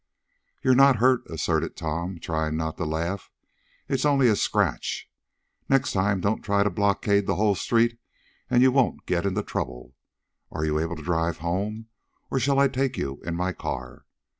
"You're not hurt," asserted Tom, trying not to laugh. "It's only a scratch. Next time don't try to blockade the whole street, and you won't get into trouble. Are you able to drive home; or shall I take you in my car?"